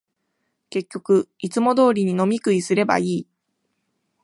結局、いつも通りに飲み食いすればいい